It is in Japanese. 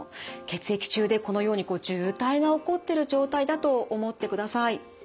血液中でこのように渋滞が起こってる状態だと思ってください。